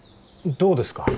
どうですか